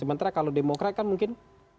sementara kalau demokrat kan mungkin